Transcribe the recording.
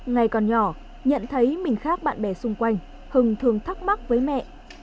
ngày còn nhỏ nhận thấy mình khác bạn bè xung quanh hưng thường thắc mắc với mẹ